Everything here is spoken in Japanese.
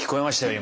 今。